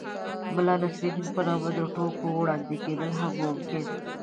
د ملا نصر الدين په نامه د ټوکو وړاندې کېدل هم ممکن